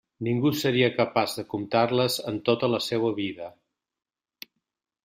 Ningú seria capaç de comptar-les en tota la seua vida.